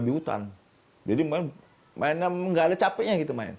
lebih hutan jadi mainnya tidak ada capeknya